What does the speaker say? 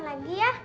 aku pulang dulu ya